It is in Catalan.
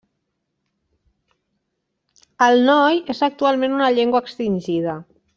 El Noi és actualment una llengua extingida.